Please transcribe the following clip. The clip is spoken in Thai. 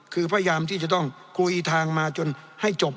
คือพยายามที่จะต้องคุยทางมาจนให้จบ